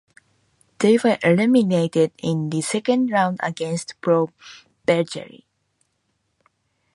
They were eliminated in the second round against Pro Vercelli.